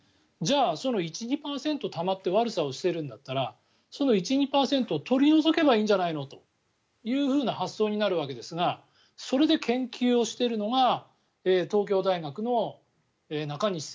じゃあ、１２％たまって悪さをしているんだったらその１２％を取り除けばいいんじゃないのという発想になるわけですがその研究をしているのが